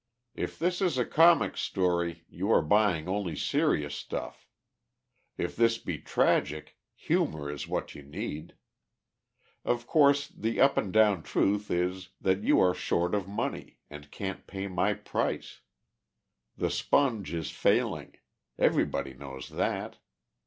If this is a comic story, you are buying only serious stuff. If this be tragic, humour is what you need. Of course, the up and down truth is that you are short of money, and can't pay my price. The Sponge is failing everybody knows that.